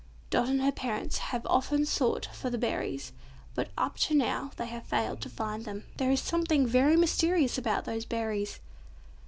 Dot and her parents have often sought for the berries, but up to now they have failed to find them. There is something very mysterious about those berries!